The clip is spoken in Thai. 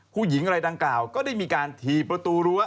ผู้หญิงอะไรดังกล่าวก็ได้มีการถี่ประตูรั้ว